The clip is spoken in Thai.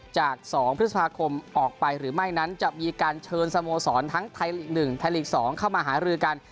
จาก๒พฤษภาคมออกไปหรือไม่นั้นจะมีการเชิญสโมสรทั้งไทยลีก๑ไทยลีก๒เข้ามาหารือกัน